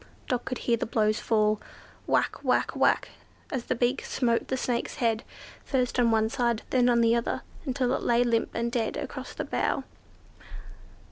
Dot could hear the blows fall,—whack, whack, whack,—as the beak smote the Snake's head; first on one side, then on the other, until it lay limp and dead across the bough. "Ah!